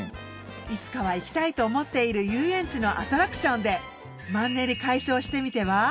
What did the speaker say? いつかは行きたいと思っている遊園地のアトラクションでマンネリ解消してみては？